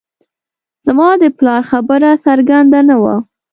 زما د پلار خبره څرګنده نه وه